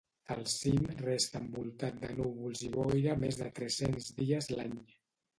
El cim resta envoltat de núvols i boira més de tres-cents dies l'any.